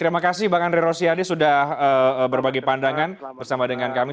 terima kasih bang andre rosiade sudah berbagi pandangan bersama dengan kami